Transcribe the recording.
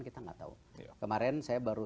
kita nggak tahu kemarin saya baru